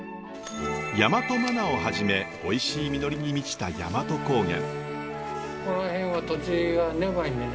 大和まなをはじめおいしい実りに満ちた大和高原。